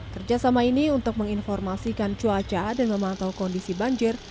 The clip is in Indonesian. kerjasama ini untuk menginformasikan cuaca dan memantau kondisi banjir